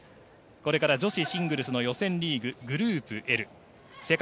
これから女子シングルスの予選リーググループＬ世界